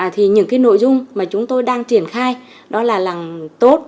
thì những cái nội dung mà chúng tôi đang triển khai đó là làm tốt